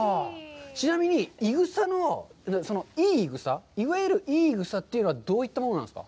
ちなみに、いぐさのいわゆるいいいぐさというのは、どういったものなんですか。